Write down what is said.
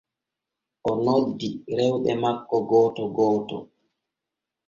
O noddi rewɓe makko gooto gooto.